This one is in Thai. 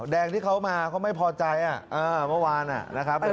แดงที่เขามาเขาไม่พอใจอ่ะเมื่อวานอ่ะ